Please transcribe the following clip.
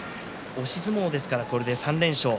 押し相撲ですからこれで３連勝。